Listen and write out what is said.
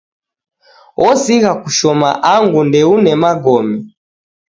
Osigha kushoma angu ndeune magome.